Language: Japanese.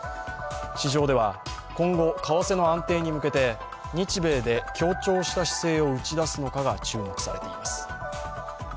市場では、今後、為替の安定に向けて日米で協調した姿勢を打ち出すのかが注目されています。